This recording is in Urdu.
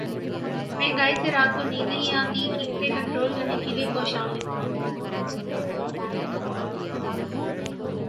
مہنگائی سے رات کو نیند نہیں آتی قیمتیں کنٹرول کرنے کے لیے کوشاں ہیں